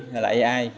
hay là ai